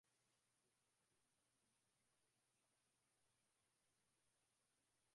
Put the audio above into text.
Vita hivyo vilidumu kuanzia mwaka elfu moja mia tisa na tano